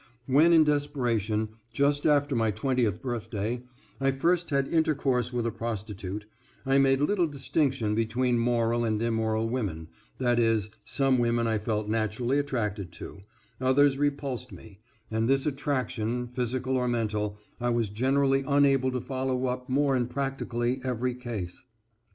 When in desperation, just after my twentieth birthday, I first had intercourse with a prostitute, I made little distinction between moral and immoral women, that is, some women I felt naturally attracted to; others repulsed me, and this attraction, physical or mental, I was generally unable to follow up more in practically every case.